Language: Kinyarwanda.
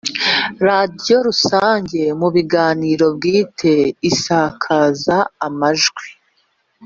radiyo rusange mu biganiro bwite isakaza amajwi